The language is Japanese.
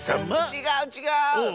ちがうちがう！